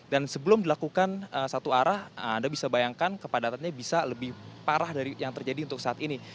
dan sebelum dilakukan satu arah anda bisa bayangkan kepadatannya bisa lebih parah dari yang terjadi untuk saat ini